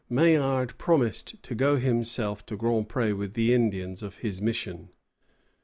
Maillard promised to go himself to Grand Pré with the Indians of his mission.